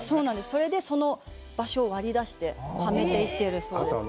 それでその場所を割り出してはめていってるそうです。